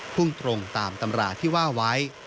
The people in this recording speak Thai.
พุ่งตรงตามตำราที่ว่าไว้